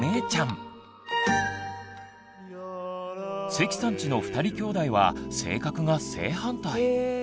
関さんちの２人きょうだいは性格が正反対！